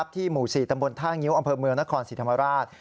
หมู่๔ตำบลท่างิ้วอำเภอเมืองนครศรีธรรมราช